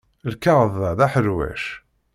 Lkaɣeḍ-a d aḥercaw.